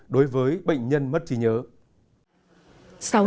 đối với bệnh nhân mất trí nhớ